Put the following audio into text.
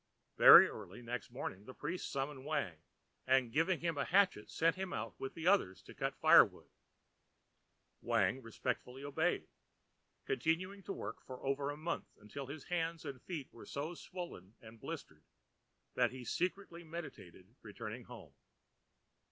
Very early next morning the priest summoned Wang, and giving him a hatchet sent him out with the others to cut firewood. Wang respectfully obeyed, continuing to work for over a month until his hands and feet were so swollen and blistered that he secretly meditated returning home.